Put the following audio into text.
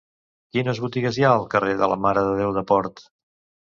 Quines botigues hi ha al carrer de la Mare de Déu de Port?